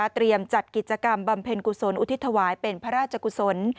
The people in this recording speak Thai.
จัดกิจกรรมบำเพ็ญกุศลอุทิศถวายเป็นพระราชกุศล